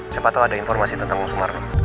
siapa tau ada informasi tentang om sumarno